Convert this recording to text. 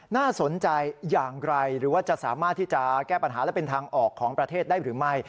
น่าสนใจอย่างไรหรือว่าจะสามารถที่จะแก้ปัญหาและเป็นทางออกของประเทศได้หรือไม่